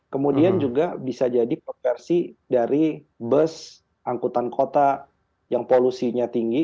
kemudian juga bisa jadi konversi dari bus angkutan kota yang polusinya tinggi